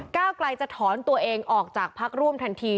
ก้าวไกลจะถอนตัวเองออกจากพักร่วมทันที